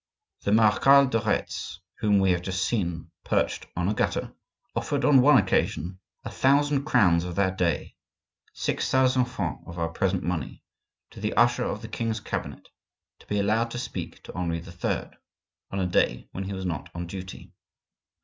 The Marechal de Retz, whom we have just seen, perched on a gutter, offered on one occasion a thousand crowns of that day, six thousand francs of our present money, to the usher of the king's cabinet to be allowed to speak to Henri III. on a day when he was not on duty.